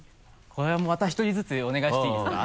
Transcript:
これもまた１人ずつお願いしていいですか？